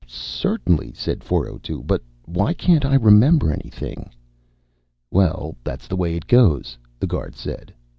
"Certainly," said 402. "But why can't I remember anything?" "Well, that's the way it goes," the guard said.